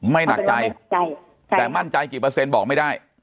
ไม่หนักใจแต่มั่นใจกี่เปอร์เซ็นต์บอกไม่ได้